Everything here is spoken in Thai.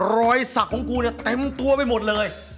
รอยสักของกูเนี่ยเต็มตัวไปหมดเลย